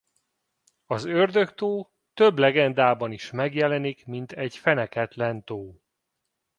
Az Ördög-tó több legendában is megjelenik mint egy feneketlen tó.